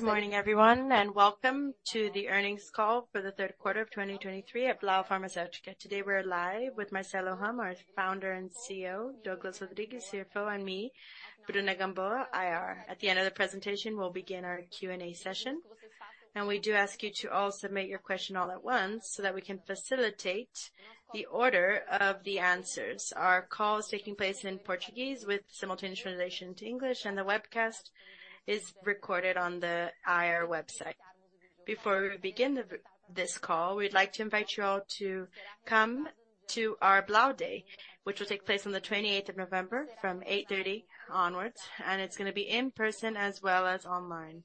Good morning, everyone, and welcome to the earnings call for the third quarter of 2023 at Blau Farmacêutica. Today, we're live with Marcelo Hahn, our Founder and CEO, Douglas Rodrigues, CFO, and me, Bruna Gamboa, IR. At the end of the presentation, we'll begin our Q&A session. We do ask you to all submit your question all at once, so that we can facilitate the order of the answers. Our call is taking place in Portuguese with simultaneous translation to English, and the webcast is recorded on the IR website. Before we begin this call, we'd like to invite you all to come to our Blau Day, which will take place on the 28th of November from 8:30 A.M. onwards, and it's going to be in person as well as online.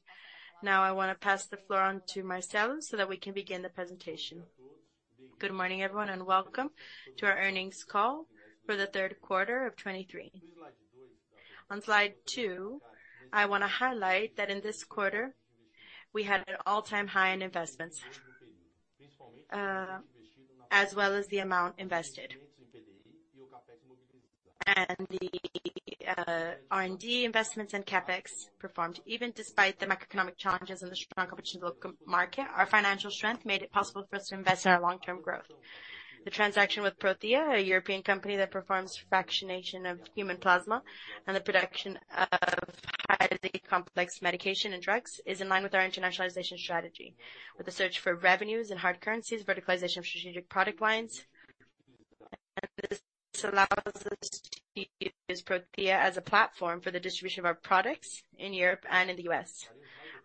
Now, I want to pass the floor on to Marcelo, so that we can begin the presentation. Good morning, everyone, and welcome to our earnings call for the third quarter of 2023. On Slide 2, I want to highlight that in this quarter, we had an all-time high in investments, as well as the amount invested. And the R&D investments and CapEx performed, even despite the macroeconomic challenges and the strong competition local market, our financial strength made it possible for us to invest in our long-term growth. The transaction with Prothya, a European company that performs fractionation of human plasma and the production of highly complex medication and drugs, is in line with our internationalization strategy, with a search for revenues and hard currencies, verticalization of strategic product lines. This allows us to use Prothya as a platform for the distribution of our products in Europe and in the US.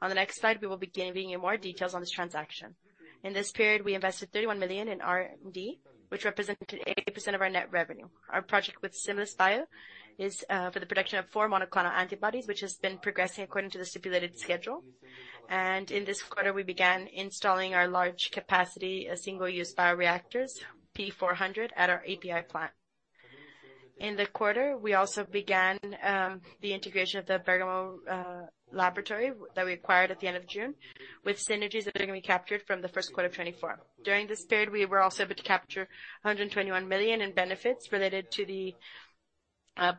On the next slide, we will be giving you more details on this transaction. In this period, we invested 31 million in R&D, which represented 80% of our net revenue. Our project with Similis Bio is for the production of four monoclonal antibodies, which has been progressing according to the stipulated schedule. In this quarter, we began installing our large capacity single-use bioreactors, P400, at our API plant. In the quarter, we also began the integration of the Bergamo laboratory that we acquired at the end of June, with synergies that are going to be captured from the first quarter of 2024. During this period, we were also able to capture 121 million in benefits related to the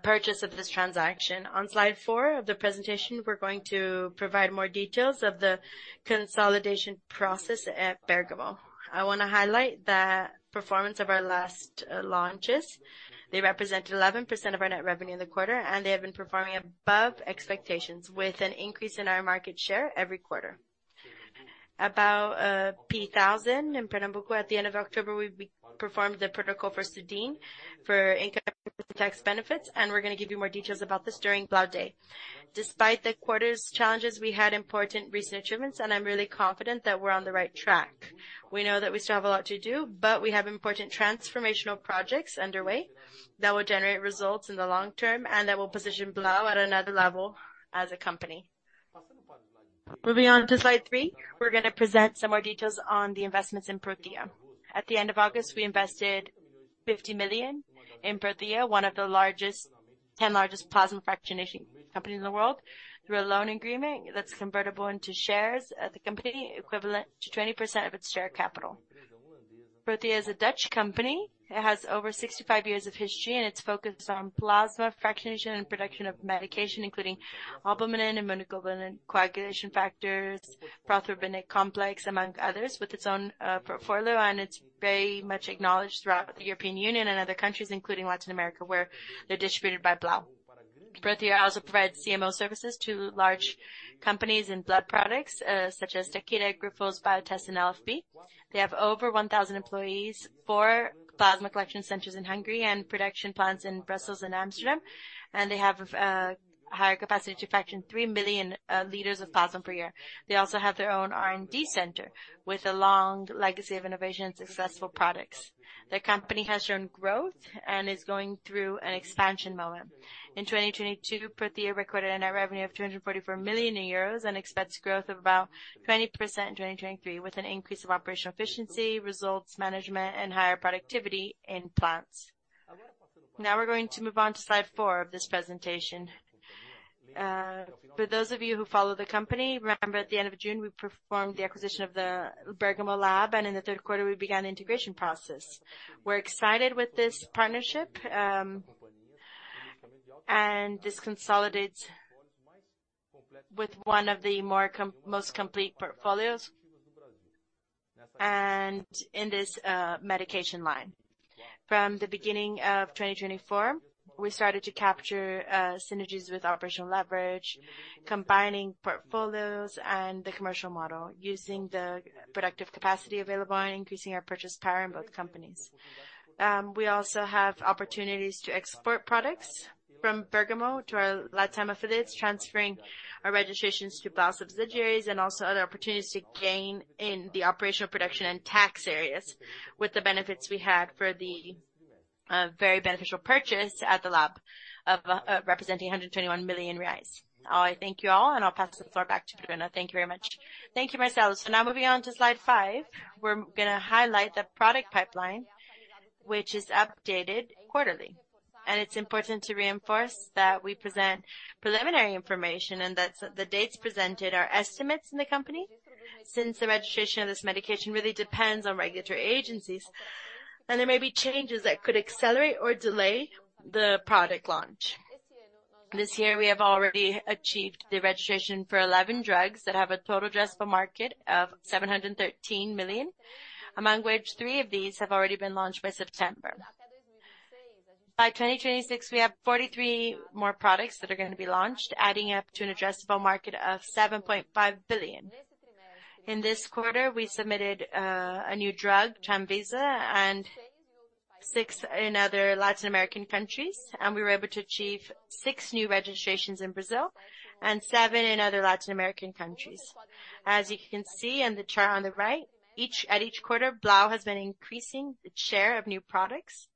purchase of this transaction. On Slide 4 of the presentation, we're going to provide more details of the consolidation process at Bergamo. I want to highlight the performance of our last launches. They represented 11% of our net revenue in the quarter, and they have been performing above expectations, with an increase in our market share every quarter. About P1000 in Pernambuco, at the end of October, we performed the protocol for SUDENE for income tax benefits, and we're going to give you more details about this during Blau Day. Despite the quarter's challenges, we had important recent achievements, and I'm really confident that we're on the right track. We know that we still have a lot to do, but we have important transformational projects underway that will generate results in the long term and that will position Blau at another level as a company. Moving on to Slide 3, we're going to present some more details on the investments in Prothya. At the end of August, we invested 50 million in Prothya, one of the 10 largest plasma fractionation companies in the world, through a loan agreement that's convertible into shares at the company, equivalent to 20% of its share capital. Prothya is a Dutch company. It has over 65 years of history, and it's focused on plasma fractionation and production of medication, including albumin and immunoglobulin coagulation factors, prothrombin complex, among others, with its own portfolio, and it's very much acknowledged throughout the European Union and other countries, including Latin America, where they're distributed by Blau. Prothya also provides CMO services to large companies in blood products, such as Takeda, Grifols, Biotest, and LFB. They have over 1,000 employees, four plasma collection centers in Hungary, and production plants in Brussels and Amsterdam, and they have higher capacity to fraction 3 million liters of plasma per year. They also have their own R&D center with a long legacy of innovation and successful products. The company has shown growth and is going through an expansion moment. In 2022, Prothya recorded a net revenue of 244 million euros and expects growth of about 20% in 2023, with an increase of operational efficiency, results management, and higher productivity in plants. Now we're going to move on to Slide 4 of this presentation. For those of you who follow the company, remember at the end of June, we performed the acquisition of the Bergamo lab, and in the third quarter, we began the integration process. We're excited with this partnership, and this consolidates with one of the more most complete portfolios, and in this medication line. From the beginning of 2024, we started to capture synergies with operational leverage, combining portfolios and the commercial model, using the productive capacity available and increasing our purchase power in both companies. We also have opportunities to export products from Bergamo to our Latam affiliates, transferring our registrations to Blau subsidiaries and also other opportunities to gain in the operational production and tax areas with the benefits we had for the very beneficial purchase at the lab of representing 121 million reais. I thank you all, and I'll pass the floor back to Bruna. Thank you very much. Thank you, Marcelo. Now moving on to Slide 5, we're going to highlight the product pipeline, which is updated quarterly. It's important to reinforce that we present preliminary information and that the dates presented are estimates in the company.... Since the registration of this medication really depends on regulatory agencies, and there may be changes that could accelerate or delay the product launch. This year, we have already achieved the registration for 11 drugs that have a total addressable market of 713 million, among which 3 of these have already been launched by September. By 2026, we have 43 more products that are going to be launched, adding up to an addressable market of 7.5 billion. In this quarter, we submitted a new drug, Travix, and 6 in other Latin American countries, and we were able to achieve 6 new registrations in Brazil and 7 in other Latin American countries. As you can see on the chart on the right, at each quarter, Blau has been increasing the share of new products.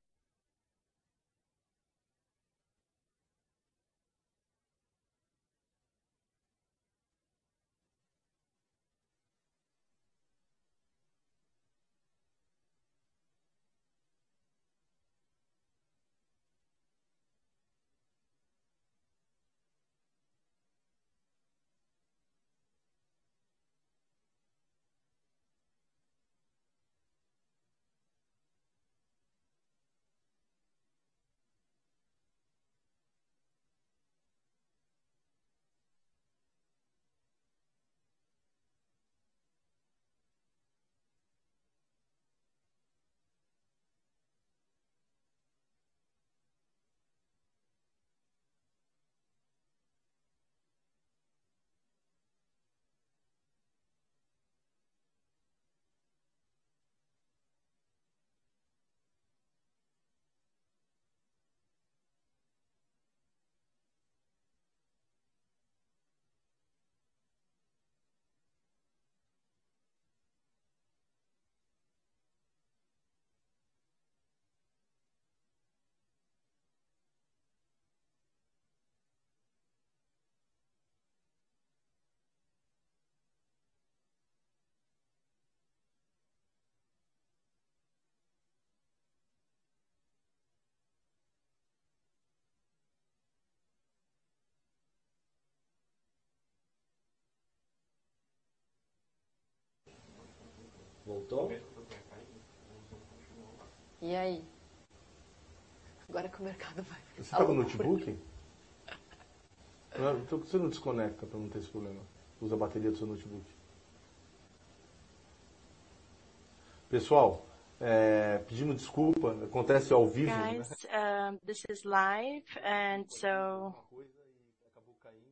Guys, this is live, and so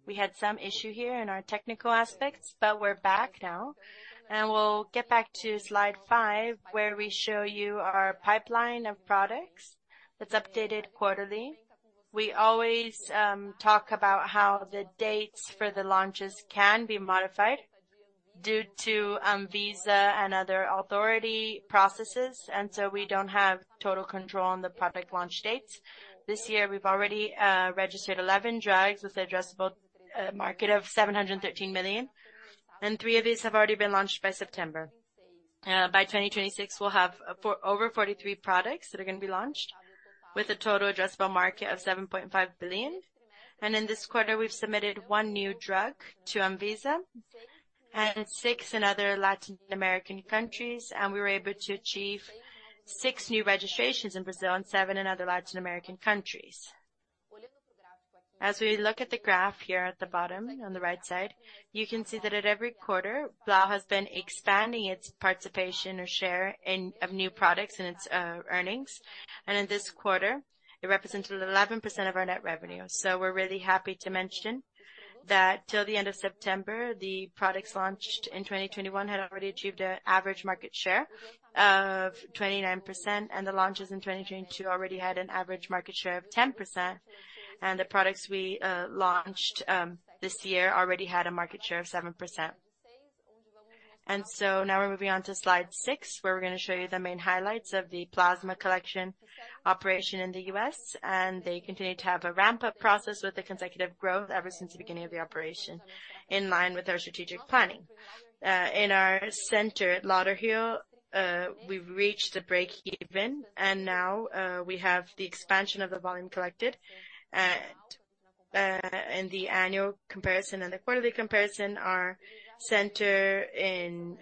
we had some issue here in our technical aspects, but we're back now, and we'll get back to slide 5, where we show you our pipeline of products. That's updated quarterly. We always talk about how the dates for the launches can be modified due to ANVISA and other authority processes, and so we don't have total control on the product launch dates. This year, we've already registered 11 drugs with addressable market of 713 million, and 3 of these have already been launched by September. By 2026, we'll have over 43 products that are going to be launched, with a total addressable market of 7.5 billion. In this quarter, we've submitted 1 new drug to ANVISA and 6 in other Latin American countries, and we were able to achieve 6 new registrations in Brazil and 7 in other Latin American countries. As we look at the graph here at the bottom, on the right side, you can see that at every quarter, Blau has been expanding its participation or share of new products in its earnings. In this quarter, it represented 11% of our net revenue. So we're really happy to mention that till the end of September, the products launched in 2021 had already achieved an average market share of 29%, and the launches in 2022 already had an average market share of 10%, and the products we launched this year already had a market share of 7%. So now we're moving on to slide 6, where we're going to show you the main highlights of the plasma collection operation in the U.S., and they continue to have a ramp-up process with the consecutive growth ever since the beginning of the operation, in line with our strategic planning. In our center at Lauderhill, we've reached the break-even, and now we have the expansion of the volume collected. In the annual comparison and the quarterly comparison, our center in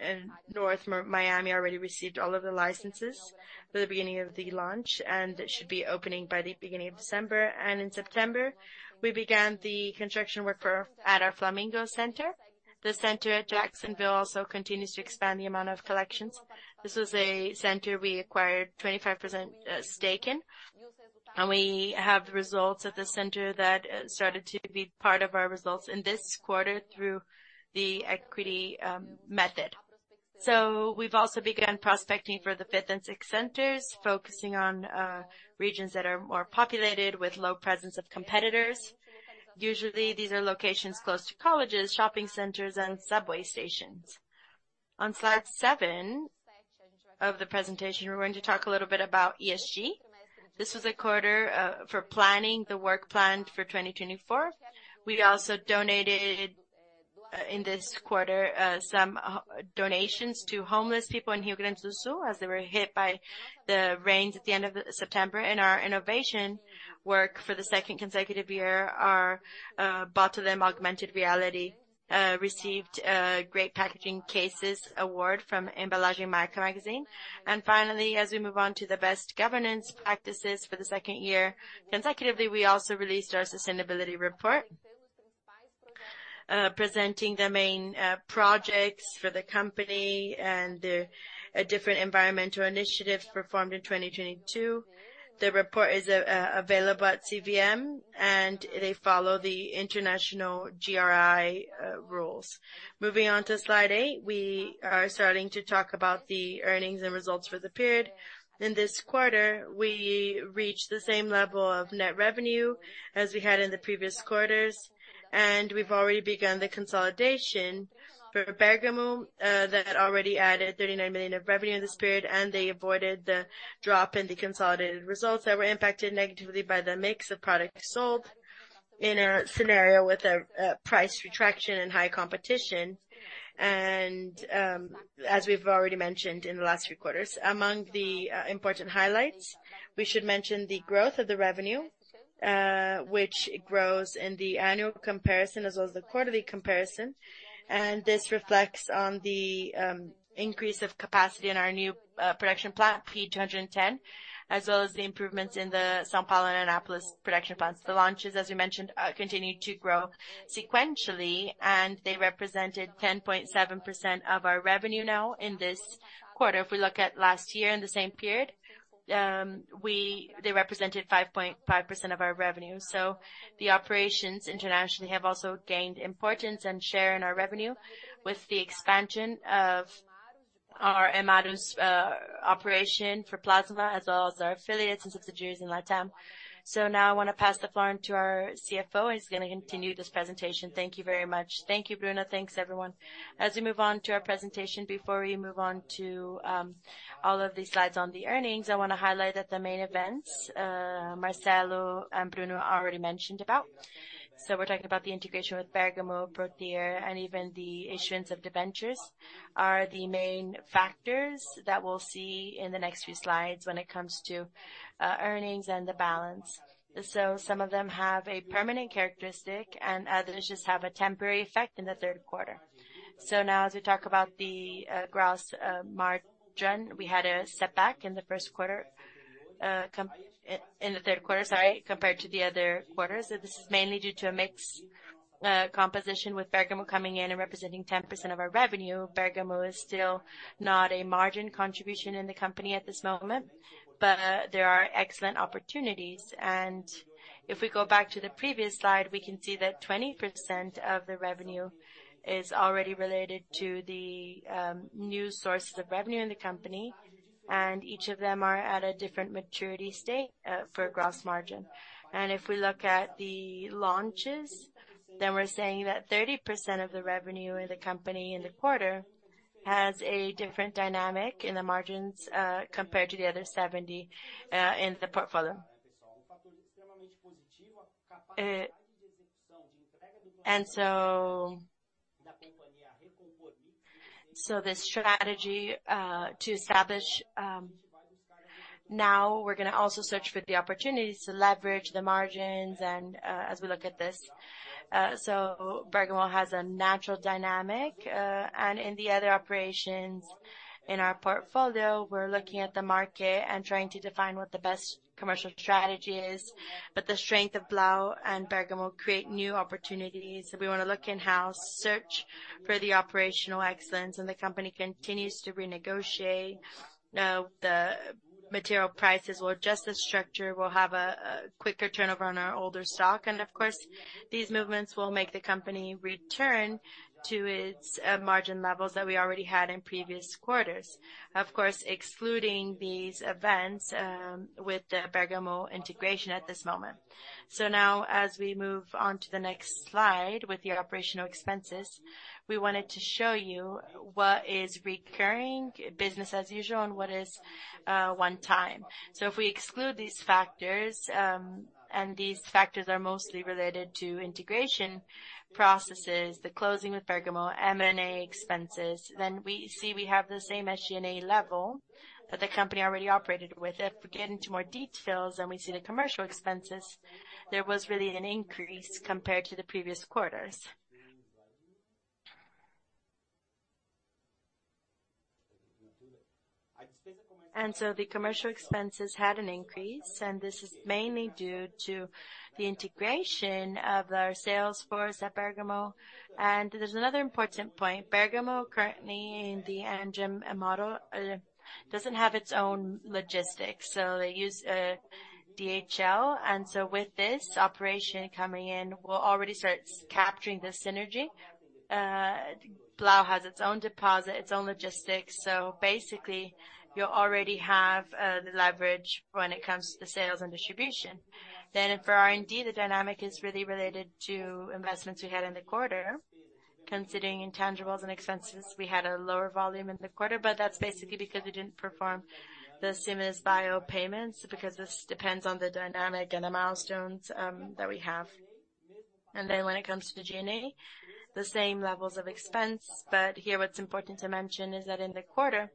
North Miami already received all of the licenses for the beginning of the launch, and it should be opening by the beginning of December. In September, we began the construction work for at our Flamingo Center. The center at Jacksonville also continues to expand the amount of collections. This is a center we acquired 25% stake in, and we have results at the center that started to be part of our results in this quarter through the equity method. So we've also begun prospecting for the fifth and sixth centers, focusing on regions that are more populated with low presence of competitors. Usually, these are locations close to colleges, shopping centers, and subway stations. On slide 7 of the presentation, we're going to talk a little bit about ESG. This was a quarter for planning the work plan for 2024. We also donated in this quarter some donations to homeless people in Rio Grande do Sul, as they were hit by the rains at the end of September. Our innovation work for the second consecutive year, our Botulim augmented reality received a Great Packaging Cases award from EmbalagemMarca magazine. Finally, as we move on to the best governance practices for the second year consecutively, we also released our sustainability report, presenting the main projects for the company and the different environmental initiatives performed in 2022. The report is available at CVM, and they follow the international GRI rules. Moving on to Slide 8, we are starting to talk about the earnings and results for the period. In this quarter, we reached the same level of net revenue as we had in the previous quarters, and we've already begun the consolidation for Bergamo that already added 39 million of revenue in this period, and they avoided the drop in the consolidated results that were impacted negatively by the mix of products sold in a scenario with a price retraction and high competition. And, as we've already mentioned in the last few quarters, among the important highlights, we should mention the growth of the revenue, which grows in the annual comparison as well as the quarterly comparison. And this reflects on the increase of capacity in our new production plant, P210, as well as the improvements in the São Paulo and Anápolis production plants. The launches, as we mentioned, continued to grow sequentially, and they represented 10.7% of our revenue now in this quarter. If we look at last year in the same period, they represented 5.5% of our revenue. So the operations internationally have also gained importance and share in our revenue with the expansion of our Hemarus operation for plasma, as well as our affiliates and subsidiaries in LatAm. So now I want to pass the floor on to our CFO, who's going to continue this presentation. Thank you very much. Thank you, Bruna. Thanks, everyone. As we move on to our presentation, before we move on to all of these slides on the earnings, I want to highlight that the main events, Marcelo and Bruna already mentioned about. So we're talking about the integration with Bergamo, Prothya, and even the issuance of debentures are the main factors that we'll see in the next few slides when it comes to earnings and the balance. So some of them have a permanent characteristic, and others just have a temporary effect in the third quarter. So now as we talk about the gross margin, we had a setback in the first quarter, in the third quarter, sorry, compared to the other quarters. So this is mainly due to a mix composition with Bergamo coming in and representing 10% of our revenue. Bergamo is still not a margin contribution in the company at this moment, but there are excellent opportunities. If we go back to the previous slide, we can see that 20% of the revenue is already related to the new sources of revenue in the company, and each of them are at a different maturity state for gross margin. If we look at the launches, then we're saying that 30% of the revenue in the company in the quarter has a different dynamic in the margins compared to the other 70 in the portfolio. So the strategy to establish now we're gonna also search for the opportunities to leverage the margins and as we look at this. So Bergamo has a natural dynamic, and in the other operations in our portfolio, we're looking at the market and trying to define what the best commercial strategy is. But the strength of Blau and Bergamo create new opportunities, so we want to look in-house, search for the operational excellence, and the company continues to renegotiate the material prices or adjust the structure. We'll have a quicker turnover on our older stock, and of course, these movements will make the company return to its margin levels that we already had in previous quarters. Of course, excluding these events with the Bergamo integration at this moment. So now as we move on to the next slide with your operational expenses, we wanted to show you what is recurring business as usual and what is one time. So if we exclude these factors, and these factors are mostly related to integration processes, the closing with Bergamo, M&A expenses, then we see we have the same SG&A level that the company already operated with. If we get into more details and we see the commercial expenses, there was really an increase compared to the previous quarters. So the commercial expenses had an increase, and this is mainly due to the integration of our sales force at Bergamo. There's another important point. Bergamo, currently, the business model doesn't have its own logistics, so they use DHL. So with this operation coming in, we'll already start capturing the synergy. Blau has its own depot, its own logistics, so basically, you already have the leverage when it comes to the sales and distribution. Then for R&D, the dynamic is really related to investments we had in the quarter. Considering intangibles and expenses, we had a lower volume in the quarter, but that's basically because we didn't perform the Similis Bio payments, because this depends on the dynamic and the milestones that we have. And then when it comes to the Q &A, the same levels of expense. But here, what's important to mention is that in the quarter,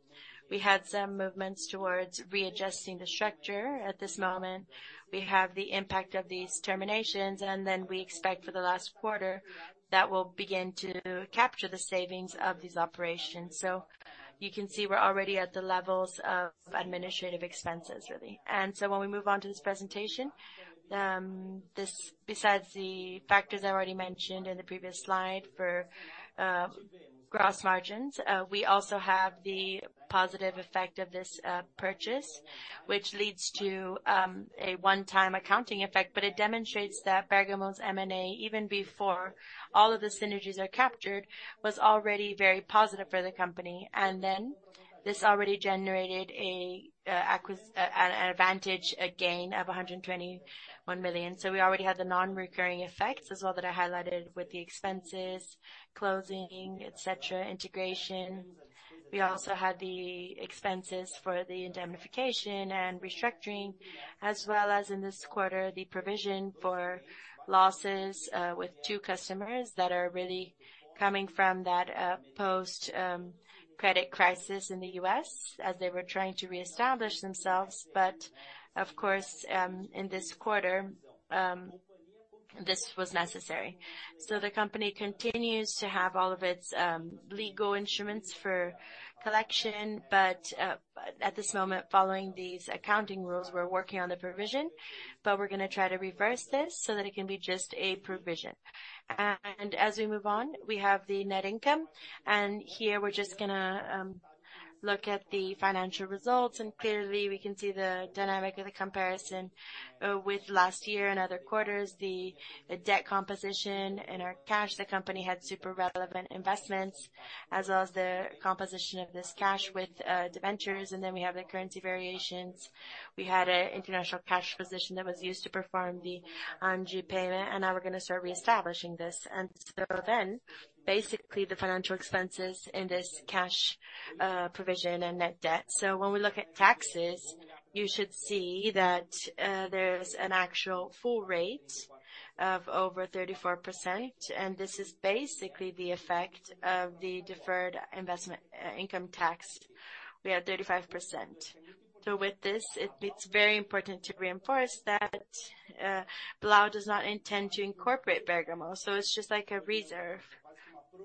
we had some movements towards readjusting the structure. At this moment, we have the impact of these terminations, and then we expect for the last quarter, that will begin to capture the savings of these operations. So you can see we're already at the levels of administrative expenses, really. When we move on to this presentation, this, besides the factors I already mentioned in the previous slide for gross margins, we also have the positive effect of this purchase, which leads to a one-time accounting effect. But it demonstrates that Bergamo's M&A, even before all of the synergies are captured, was already very positive for the company. And then this already generated an advantage, a gain of 121 million. So we already had the non-recurring effects as well, that I highlighted with the expenses, closing, et cetera, integration. We also had the expenses for the indemnification and restructuring, as well as in this quarter, the provision for losses with two customers that are really coming from that post-credit crisis in the U.S., as they were trying to reestablish themselves. But of course, in this quarter, this was necessary. So the company continues to have all of its legal instruments for collection, but at this moment, following these accounting rules, we're working on the provision, but we're gonna try to reverse this so that it can be just a provision. And as we move on, we have the net income, and here, we're just gonna look at the financial results, and clearly, we can see the dynamic of the comparison with last year and other quarters, the debt composition and our cash. The company had super relevant investments, as well as the composition of this cash with debentures, and then we have the currency variations. We had an international cash position that was used to perform the G payment, and now we're gonna start reestablishing this. Basically, the financial expenses in this cash provision and net debt. So when we look at taxes, you should see that there's an actual full rate of over 34%, and this is basically the effect of the deferred income tax. We have 35%. So with this, it's very important to reinforce that Blau does not intend to incorporate Bergamo, so it's just like a reserve.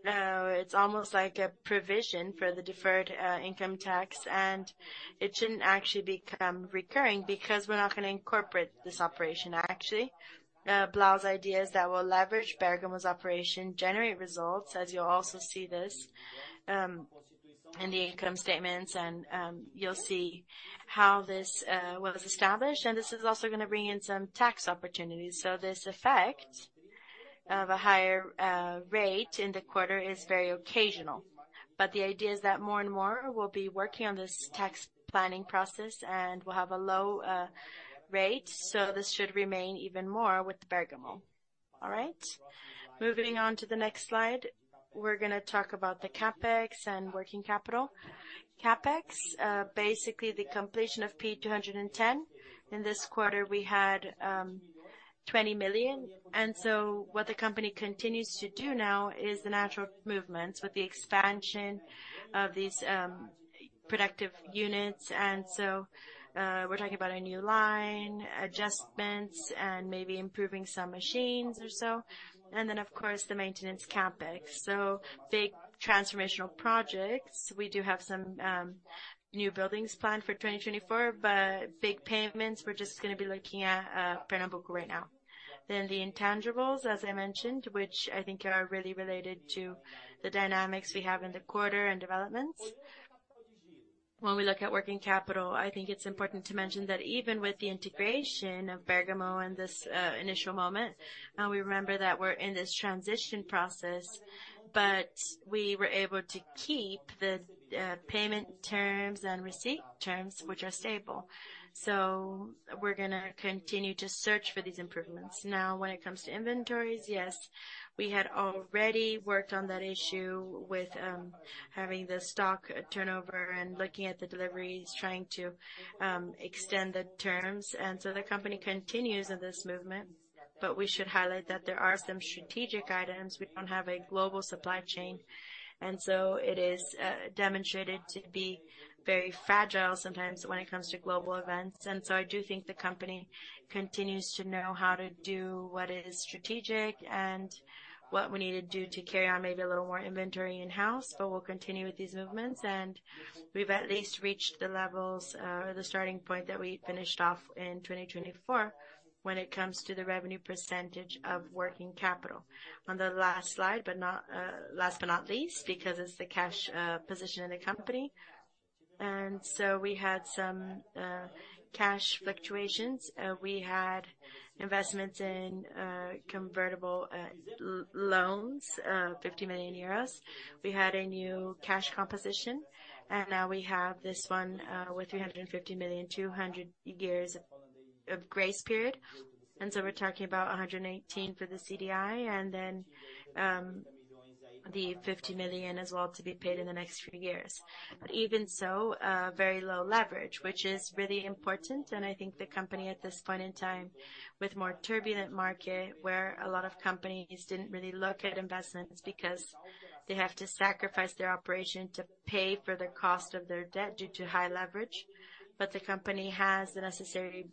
It's almost like a provision for the deferred income tax, and it shouldn't actually become recurring because we're not gonna incorporate this operation, actually. Blau's idea is that we'll leverage Bergamo's operation, generate results, as you'll also see this in the income statements, and you'll see how this was established, and this is also gonna bring in some tax opportunities. So this effect of a higher rate in the quarter is very occasional. But the idea is that more and more, we'll be working on this tax planning process, and we'll have a low rate, so this should remain even more with Bergamo. All right. Moving on to the next slide, we're gonna talk about the CapEx and working capital. CapEx, basically, the completion of P210. In this quarter, we had 20 million, and so what the company continues to do now is the natural movements with the expansion of these productive units. And so, we're talking about a new line, adjustments, and maybe improving some machines or so. And then, of course, the maintenance CapEx. So big transformational projects. We do have some new buildings planned for 2024, but big payments, we're just gonna be looking at Pernambuco right now. Then the intangibles, as I mentioned, which I think are really related to the dynamics we have in the quarter and developments. When we look at working capital, I think it's important to mention that even with the integration of Bergamo in this initial moment, now we remember that we're in this transition process, but we were able to keep the payment terms and receipt terms, which are stable. So we're gonna continue to search for these improvements. Now, when it comes to inventories, yes, we had already worked on that issue with having the stock turnover and looking at the deliveries, trying to extend the terms. And so the company continues in this movement, but we should highlight that there are some strategic items. We don't have a global supply chain, and so it is demonstrated to be very fragile sometimes when it comes to global events. And so I do think the company continues to know how to do what is strategic and what we need to do to carry on maybe a little more inventory in-house, but we'll continue with these movements, and we've at least reached the levels or the starting point that we finished off in 2024, when it comes to the revenue percentage of working capital. On the last slide, but not last but not least, because it's the cash position in the company. And so we had some cash fluctuations. We had investments in convertible loans, 50 million euros. We had a new cash composition, and now we have this one with 350 million, 200 years of grace period. So we're talking about 118 for the CDI, and then the 50 million as well, to be paid in the next few years. But even so, very low leverage, which is really important, and I think the company, at this point in time, with more turbulent market, where a lot of companies didn't really look at investments because they have to sacrifice their operation to pay for the cost of their debt due to high leverage. But the company has the necessary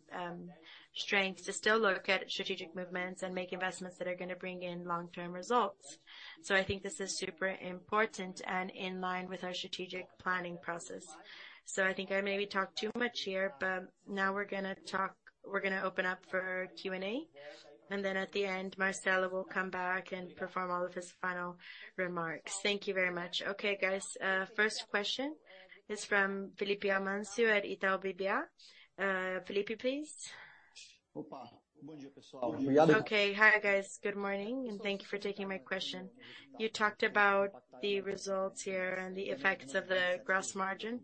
strength to still look at strategic movements and make investments that are gonna bring in long-term results. So I think this is super important and in line with our strategic planning process. So I think I maybe talked too much here, but now we're gonna open up for Q&A, and then at the end, Marcelo will come back and perform all of his final remarks. Thank you very much. Okay, guys, first question is from Felipe Amancio at Itaú BBA. Felipe, please. Okay. Hi, guys. Good morning, and thank you for taking my question. You talked about the results here and the effects of the gross margin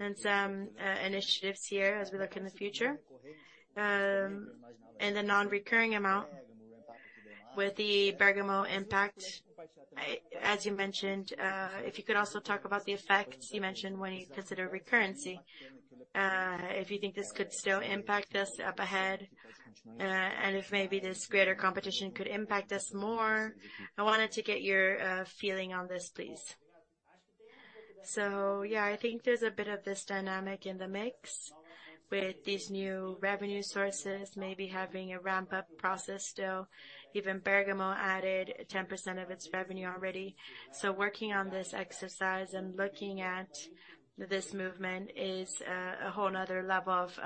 and some initiatives here as we look in the future. And the non-recurring amount with the Bergamo impact, I—as you mentioned, if you could also talk about the effects you mentioned when you consider recurring. If you think this could still impact us up ahead, and if maybe this greater competition could impact us more. I wanted to get your feeling on this, please. So yeah, I think there's a bit of this dynamic in the mix, with these new revenue sources maybe having a ramp-up process still. Even Bergamo added 10% of its revenue already. So working on this exercise and looking at this movement is a whole another level of...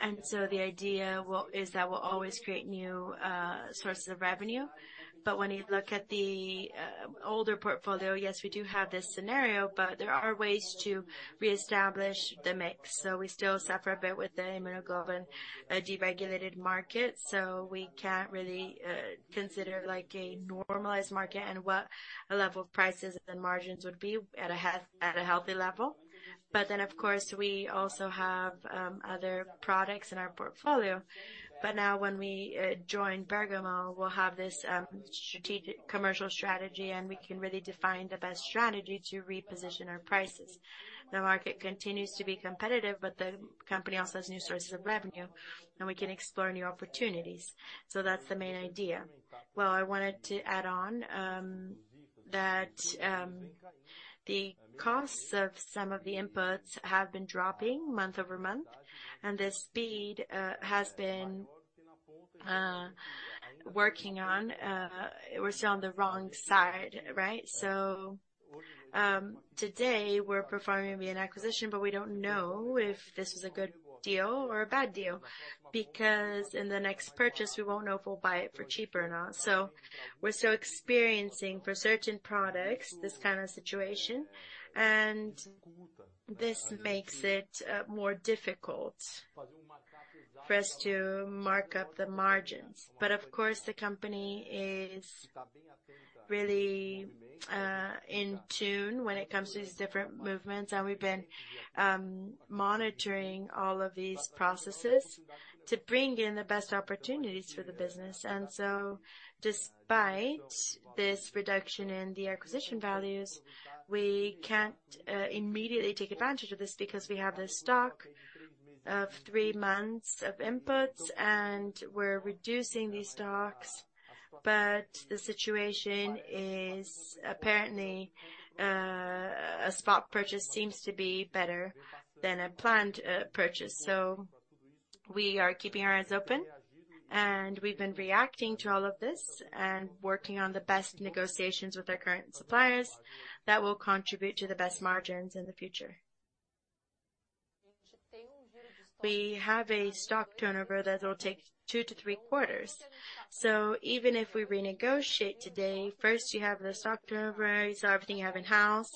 And so the idea is that we'll always create new sources of revenue. But when you look at the older portfolio, yes, we do have this scenario, but there are ways to reestablish the mix. So we still suffer a bit with the immunoglobulin deregulated market, so we can't really consider, like, a normalized market and what a level of prices and margins would be at a healthy level. But then, of course, we also have other products in our portfolio. But now when we join Bergamo, we'll have this strategic-commercial strategy, and we can really define the best strategy to reposition our prices. The market continues to be competitive, but the company also has new sources of revenue, and we can explore new opportunities. So that's the main idea. Well, I wanted to add on that the costs of some of the inputs have been dropping month-over-month, and the speed has been working on... We're still on the wrong side, right? So today we're performing via an acquisition, but we don't know if this is a good deal or a bad deal, because in the next purchase, we won't know if we'll buy it for cheaper or not. So we're still experiencing, for certain products, this kind of situation, and this makes it more difficult for us to mark up the margins. But of course, the company is really in tune when it comes to these different movements, and we've been monitoring all of these processes to bring in the best opportunities for the business. And so despite this reduction in the acquisition values, we can't immediately take advantage of this because we have a stock of three months of inputs, and we're reducing these stocks. But the situation is apparently, a spot purchase seems to be better than a planned purchase. So we are keeping our eyes open, and we've been reacting to all of this and working on the best negotiations with our current suppliers that will contribute to the best margins in the future. We have a stock turnover that will take two to three quarters. So even if we renegotiate today, first you have the stock turnover, so everything you have in-house,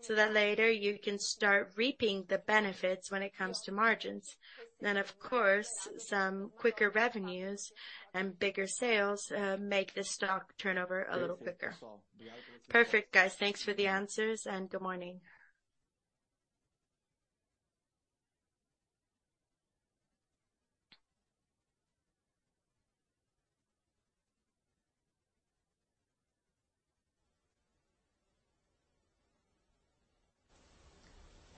so that later you can start reaping the benefits when it comes to margins. Then, of course, some quicker revenues and bigger sales make the stock turnover a little quicker. Perfect, guys. Thanks for the answers, and good morning.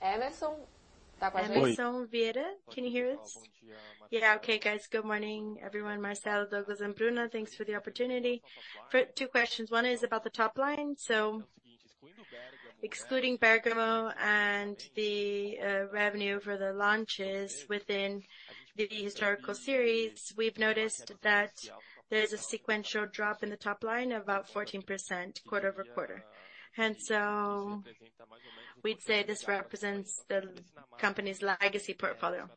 Emerson Vieira, can you hear us? Yeah. Okay, guys. Good morning, everyone. Marcelo, Douglas, and Bruna, thanks for the opportunity. For two questions. One is about the top line. So excluding Bergamo and the revenue for the launches within the historical series, we've noticed that there is a sequential drop in the top line of about 14% quarter-over-quarter. And so we'd say this represents the company's legacy portfolio.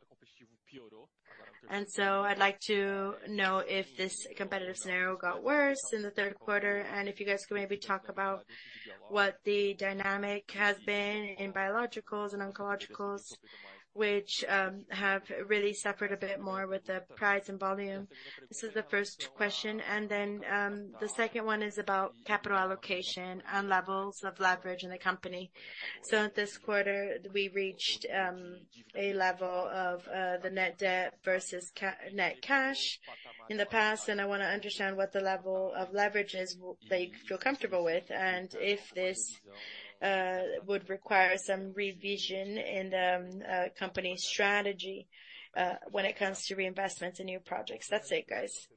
I'd like to know if this competitive scenario got worse in the third quarter, and if you guys could maybe talk about what the dynamic has been in biologicals and oncologicals, which have really suffered a bit more with the price and volume. This is the first question, and then the second one is about capital allocation and levels of leverage in the company. This quarter, we reached a level of the net debt versus net cash in the past, and I want to understand what the level of leverage is that you feel comfortable with, and if this would require some revision in the company's strategy when it comes to reinvestments in new projects. That's it, guys.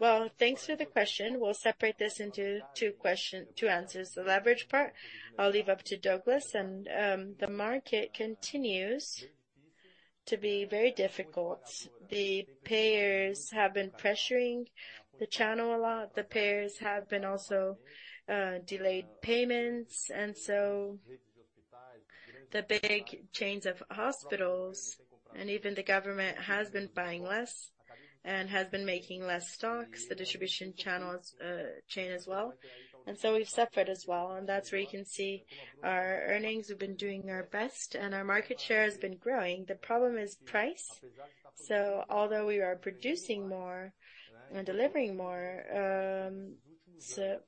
Well, thanks for the question. We'll separate this into two questions, two answers. The leverage part, I'll leave up to Douglas. And the market continues to be very difficult. The payers have been pressuring the channel a lot. The payers have been also delaying payments, and so the big chains of hospitals and even the government has been buying less and has been making less stocks, the distribution channels, chain as well. And so we've suffered as well, and that's where you can see our earnings have been doing our best and our market share has been growing. The problem is price. So although we are producing more and delivering more, so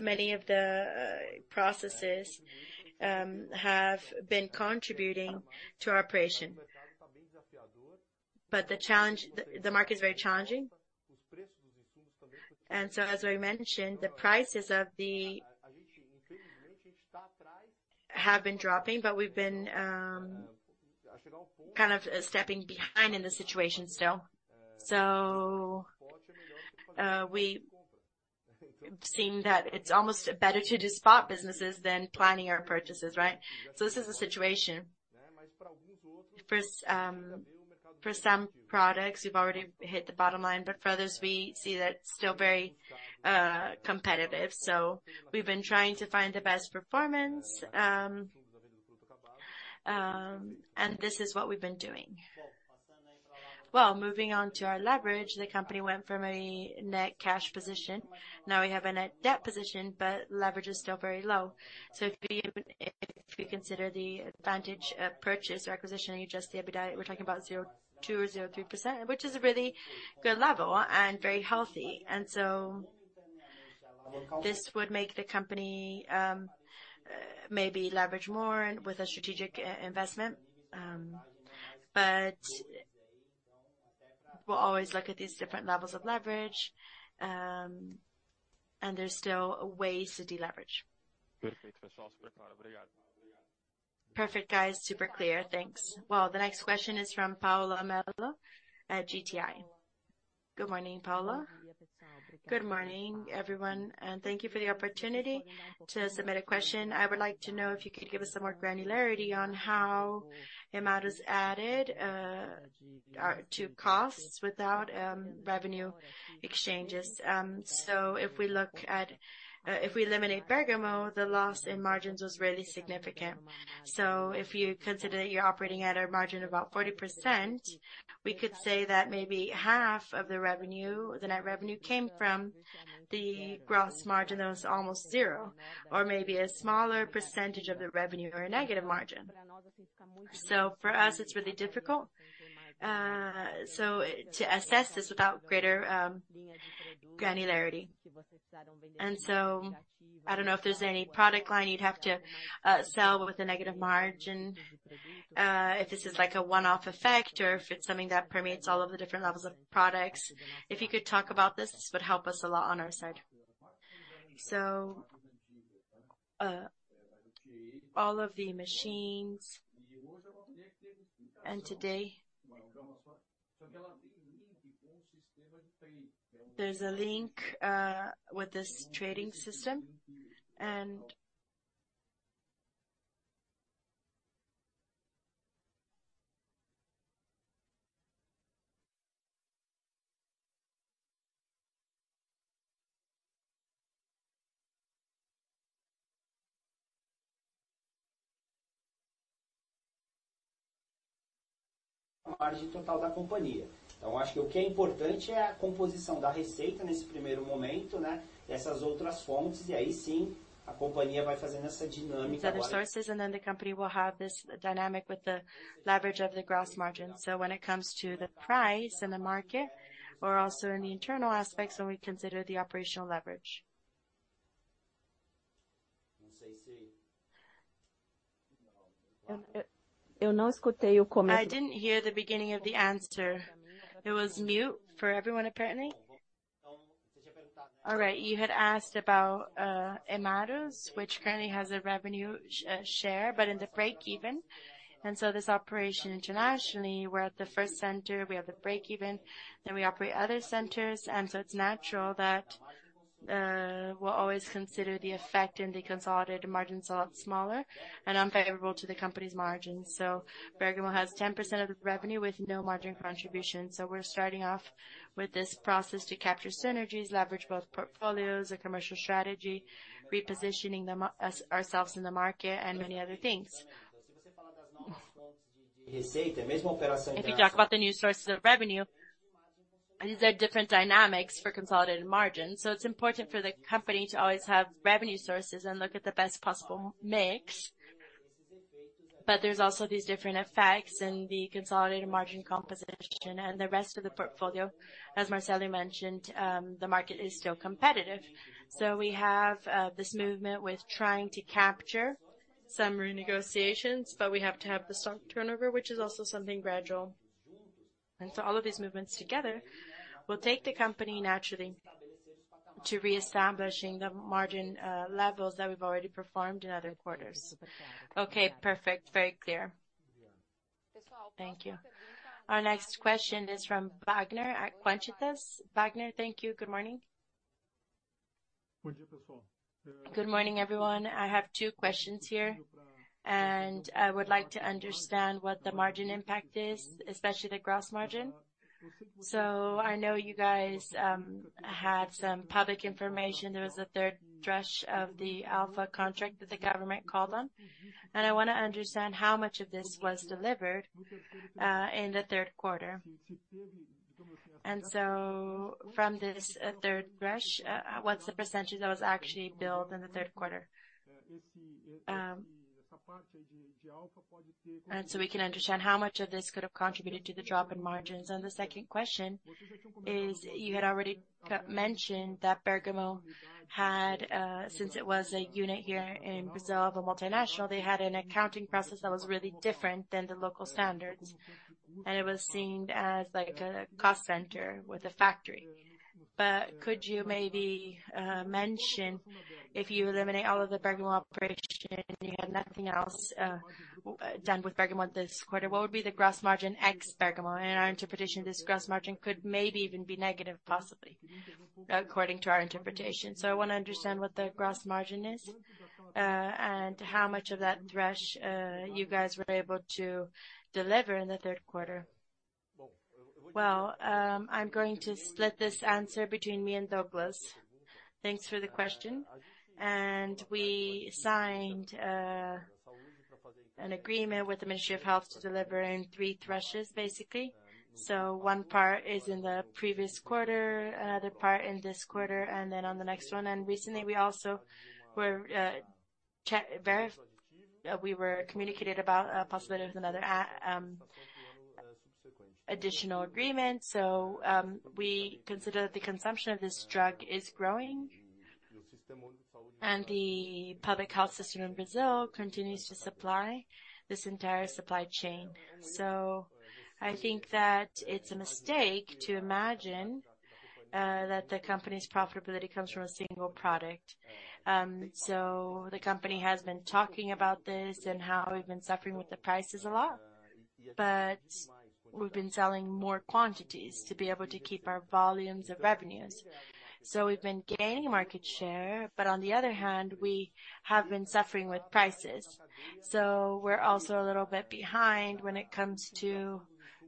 many of the processes have been contributing to our operation. But the challenge, the market is very challenging. And so as we mentioned, the prices of the have been dropping, but we've been kind of stepping behind in the situation still. So, we've seen that it's almost better to do spot businesses than planning our purchases, right? So this is the situation. First, for some products, we've already hit the bottom line, but for others, we see that it's still very, competitive. So we've been trying to find the best performance, and this is what we've been doing. Well, moving on to our leverage, the company went from a net cash position. Now we have a net debt position, but leverage is still very low. So if you, if you consider the advantage of purchase or acquisition, you adjust the EBITDA, we're talking about 0.2% or 0.3%, which is a really good level and very healthy. This would make the company maybe leverage more and with a strategic investment, but we'll always look at these different levels of leverage, and there's still ways to deleverage. Perfect, guys. Super clear. Thanks. Well, the next question is from Paula Melo at GTI. Good morning, Paula. Good morning, everyone, and thank you for the opportunity to submit a question. I would like to know if you could give us some more granularity on how amount is added or to costs without revenue exchanges. So if we look at if we eliminate Bergamo, the loss in margins was really significant. So if you consider that you're operating at a margin of about 40%, we could say that maybe half of the revenue, the net revenue, came from the gross margin that was almost zero, or maybe a smaller percentage of the revenue or a negative margin. So for us, it's really difficult, so to assess this without greater granularity. And so I don't know if there's any product line you'd have to sell with a negative margin, if this is like a one-off effect or if it's something that permeates all of the different levels of products. If you could talk about this, this would help us a lot on our side. So, all of the machines, and today, there's a link with this trading system, and... These other sources, and then the company will have this dynamic with the leverage of the gross margin. So when it comes to the price and the market, or also in the internal aspects, when we consider the operational leverage. I didn't hear the beginning of the answer. It was mute for everyone, apparently. All right, you had asked about Hemarus, which currently has a revenue share, but in the break-even. And so this operation internationally, we're at the first center, we have the break-even, then we operate other centers, and so it's natural that we'll always consider the effect in the consolidated margins a lot smaller and unfavorable to the company's margins. So Bergamo has 10% of the revenue with no margin contribution. So we're starting off with this process to capture synergies, leverage both portfolios, a commercial strategy, repositioning them, us, ourselves in the market and many other things. If you talk about the new sources of revenue, these are different dynamics for consolidated margin. So it's important for the company to always have revenue sources and look at the best possible mix. But there's also these different effects in the consolidated margin composition and the rest of the portfolio. As Marcelo mentioned, the market is still competitive. So we have this movement with trying to capture some renegotiations, but we have to have the stock turnover, which is also something gradual. And so all of these movements together will take the company naturally to reestablishing the margin levels that we've already performed in other quarters. Okay, perfect. Very clear. Thank you. Our next question is from Wagner at Quantitas. Wagner, Thank you. Good morning. Good morning, everyone. I have two questions here, and I would like to understand what the margin impact is, especially the gross margin. So I know you guys had some public information. There was a third tranche of theAlpha contract that the government called on, and I wanna understand how much of this was delivered in the third quarter. And so from this third tranche, what's the percentage that was actually billed in the third quarter? And so we can understand how much of this could have contributed to the drop in margins. The second question is, you had already mentioned that Bergamo had, since it was a unit here in Brazil, of a multinational, they had an accounting process that was really different than the local standards, and it was seen as like a cost center with a factory. But could you maybe mention, if you eliminate all of the Bergamo operations, and you had nothing else done with Bergamo this quarter, what would be the gross margin ex Bergamo? In our interpretation, this gross margin could maybe even be negative, possibly, according to our interpretation. So I want to understand what the gross margin is, and how much of that threshold you guys were able to deliver in the third quarter. Well, I'm going to split this answer between me and Douglas. Thanks for the question. And we signed an agreement with the Ministry of Health to deliver in three tranches, basically. So one part is in the previous quarter, another part in this quarter, and then on the next one. And recently, we also were communicated about possibility with another additional agreement. So we consider the consumption of this drug is growing, and the public health system in Brazil continues to supply this entire supply chain. So I think that it's a mistake to imagine that the company's profitability comes from a single product. So the company has been talking about this and how we've been suffering with the prices a lot, but we've been selling more quantities to be able to keep our volumes of revenues. So we've been gaining market share, but on the other hand, we have been suffering with prices. So we're also a little bit behind when it comes to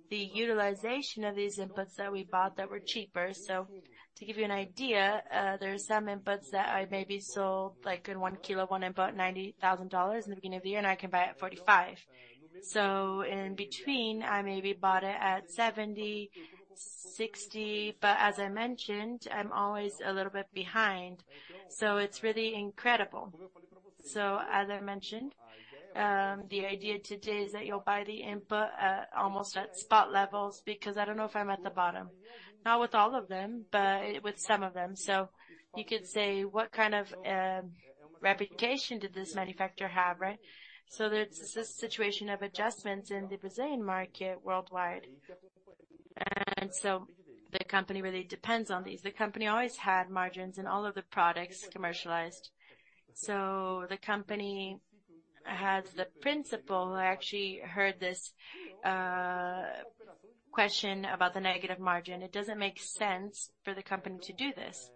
the utilization of these inputs that we bought that were cheaper. So to give you an idea, there are some inputs that I maybe sold, like, in 1 kilo, 1 input, $90,000 in the beginning of the year, and I can buy at $45,000. So in between, I maybe bought it at $70,000, $60,000, but as I mentioned, I'm always a little bit beh ind, so it's really incredible. So as I mentioned, the idea today is that you'll buy the input at, almost at spot levels, because I don't know if I'm at the bottom. Not with all of them, but with some of them. So you could say, what kind of reputation did this manufacturer have, right? So there's this situation of adjustments in the Brazilian market worldwide. And so the company really depends on these. The company always had margins in all of the products commercialized. So the company has the principal, who actually heard this question about the negative margin. It doesn't make sense for the company to do this.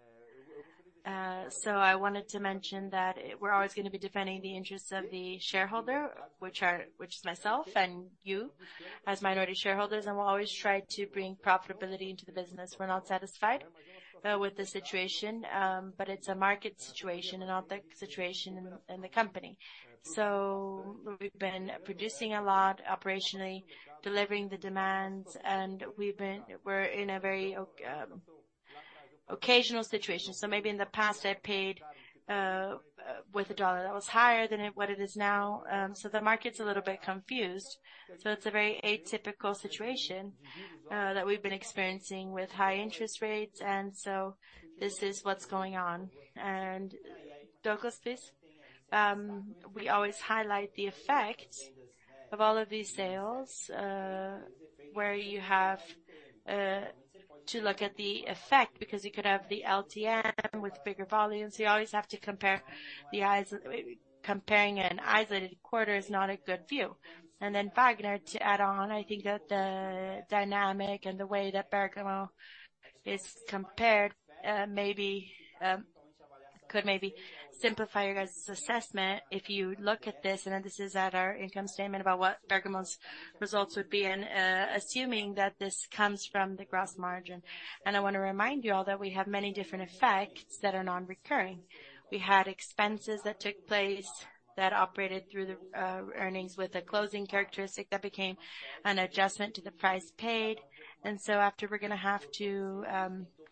So I wanted to mention that we're always gonna be defending the interests of the shareholder, which are-- which is myself and you, as minority shareholders, and we'll always try to bring profitability into the business. We're not satisfied with the situation, but it's a market situation and not the situation in the company. So we've been producing a lot operationally, delivering the demands, and we're in a very occasional situation. So maybe in the past, I paid with a dollar that was higher than it—what it is now. So the market's a little bit confused. So it's a very atypical situation that we've been experiencing with high interest rates, and so this is what's going on. And Douglas, please. We always highlight the effect of all of these sales, where you have to look at the effect, because you could have the LTM with bigger volumes. You always have to compare the eyes—comparing an isolated quarter is not a good view. And then Wagner, to add on, I think that the dynamic and the way that Bergamo is compared, maybe, could maybe simplify your guys' assessment. If you look at this, and this is at our income statement about what Bergamo's results would be in, assuming that this comes from the gross margin. And I want to remind you all that we have many different effects that are non-recurring. We had expenses that took place that operated through the, earnings with a closing characteristic that became an adjustment to the price paid. And so after, we're gonna have to,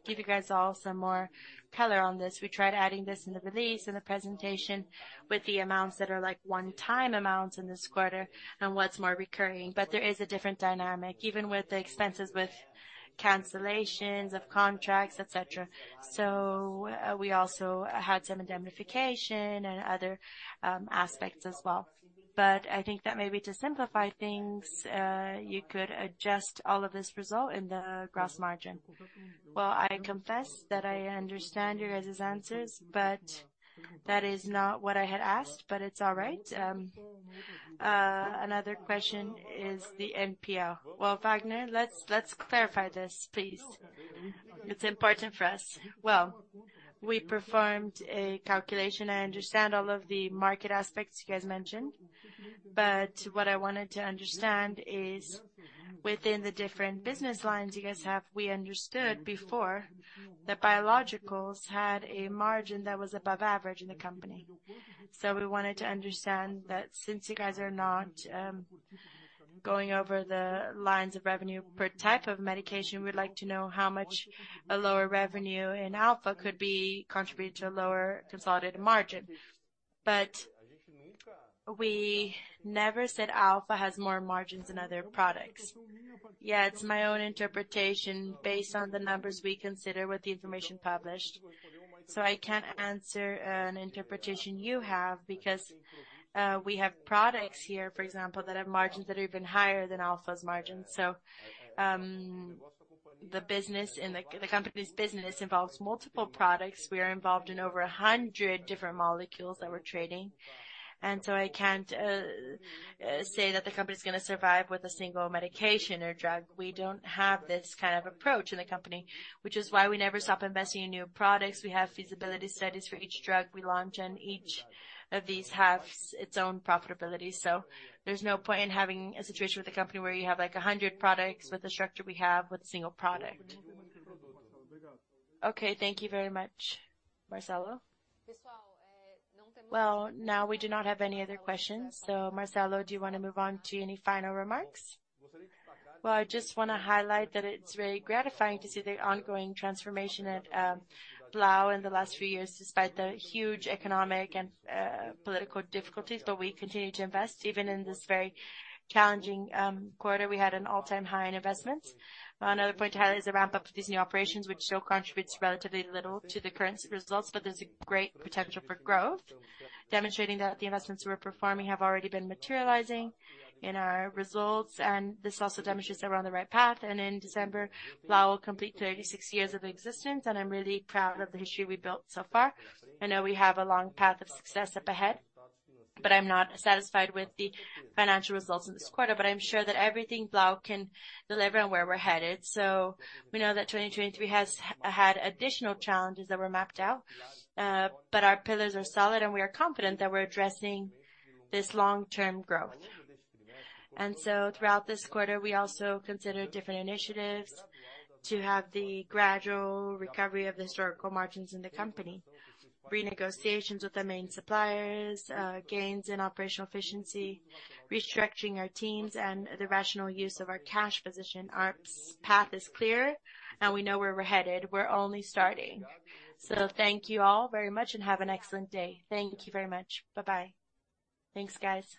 give you guys all some more color on this. We tried adding this in the release and the presentation with the amounts that are, like, one-time amounts in this quarter and what's more recurring. But there is a different dynamic, even with the expenses, with cancellations of contracts, et cetera. So we also had some indemnification and other, aspects as well. But I think that maybe to simplify things, you could adjust all of this result in the gross margin. Well, I confess that I understand you guys' answers, but that is not what I had asked, but it's all right. Another question is the NPL. Well, Wagner, let's clarify this, please. It's important for us. Well, we performed a calculation. I understand all of the market aspects you guys mentioned, but what I wanted to understand is, within the different business lines you guys have, we understood before that biologicals had a margin that was above average in the company. So we wanted to understand that since you guys are not going over the lines of revenue per type of medication, we'd like to know how much a lower revenue in Alpha could contribute to a lower consolidated margin. But we never said Alpha has more margins than other products. Yeah, it's my own interpretation based on the numbers we consider with the information published, so I can't answer, an interpretation you have, because, we have products here, for example, that have margins that are even higher than Alpha's margins. So, the business and the company's business involves multiple products. We are involved in over a hundred different molecules that we're trading, and so I can't, say that the company is gonna survive with a single medication or drug. We don't have this kind of approach in the company, which is why we never stop investing in new products. We have feasibility studies for each drug we launch, and each of these has its own profitability. So there's no point in having a situation with a company where you have, like, 100 products with the structure we have with a single product. Okay, thank you very much, Marcelo. Well, now we do not have any other questions. So, Marcelo, do you wanna move on to any final remarks? Well, I just wanna highlight that it's very gratifying to see the ongoing transformation at Blau in the last few years, despite the huge economic and political difficulties. But we continue to invest. Even in this very challenging quarter, we had an all-time high in investments. Another point to highlight is the ramp-up of these new operations, which still contributes relatively little to the current results, but there's a great potential for growth, demonstrating that the investments we're performing have already been materializing in our results, and this also demonstrates that we're on the right path. In December, Blau will complete 36 years of existence, and I'm really proud of the history we've built so far. I know we have a long path of success up ahead, but I'm not satisfied with the financial results in this quarter, but I'm sure that everything Blau can deliver on where we're headed. So we know that 2023 has had additional challenges that were mapped out, but our pillars are solid, and we are confident that we're addressing this long-term growth. So throughout this quarter, we also considered different initiatives to have the gradual recovery of the historical margins in the company. Renegotiations with the main suppliers, gains in operational efficiency, restructuring our teams, and the rational use of our cash position. Our path is clear, and we know where we're headed. We're only starting. So thank you all very much, and have an excellent day. Thank you very much. Bye-bye. Thanks, guys.